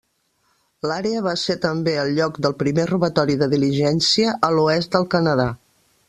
L'àrea va ser també el lloc del primer robatori de diligència a l'oest del Canadà.